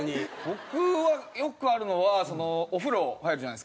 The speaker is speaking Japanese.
僕はよくあるのはお風呂入るじゃないですか。